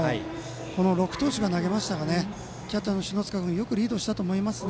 ６投手が投げましたがキャッチャー篠塚君よくリードしたと思います。